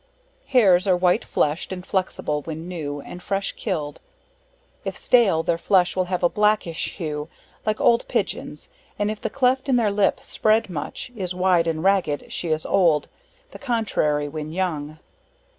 Hares, are white flesh'd and flexible when new and fresh kill'd; if stale, their flesh will have a blackish hue, like old pigeons, if the cleft in her lip spread much, is wide and ragged, she is old; the contrary when young.